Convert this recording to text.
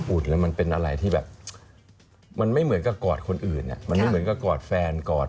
แล้วมันเป็นอะไรที่แบบมันไม่เหมือนกับกอดคนอื่นมันไม่เหมือนกับกอดแฟนกอด